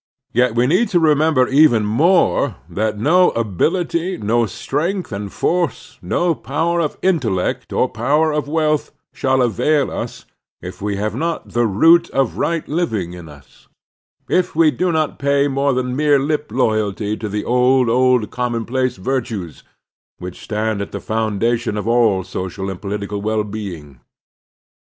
Yet we need to remember even more that no ability, no strength and force, no power of intellect or power of wealth, shall avail us, if we have not the root of right living in us ; if we do not pay more than a mere lip loyalty to the old, old commonplace virtues, which stand at the f otmdation of all social and political well being.